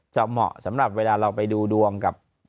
เหมาะสำหรับเวลาเราไปดูดวงกับ